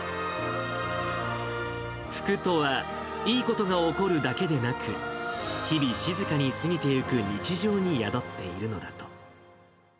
福とは、いいことが起こるだけでなく、日々、静かに過ぎていく日常に宿っているのだと。